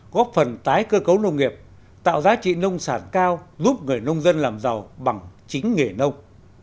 góp phần tái cơ cấu nông nghiệp tạo giá trị nông sản cao giúp người nông dân làm giàu bằng chính nghề nông